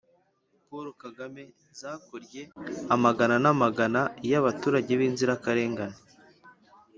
Paul Kagame zakorye amagana n'amagana y'abaturage b'inzirakarengane.